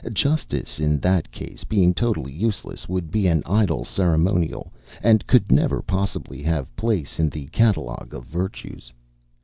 Justice, in that case, being totally useless, would be an idle ceremonial, and could never possibly have place in the catalogue of virtues.